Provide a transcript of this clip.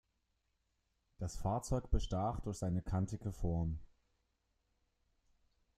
Das Fahrzeug bestach durch seine kantige Form.